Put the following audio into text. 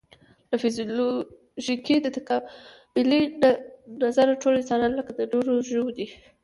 له فزیولوژیکي او تکاملي نظره ټول انسانان لکه د نورو ژوو دي.